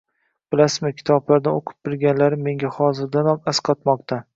Bilasizmi, kitoblardan o‘qib bilganlarim menga hozirdanoq asqotmoqda